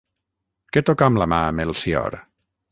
Què toca amb la mà Melcior?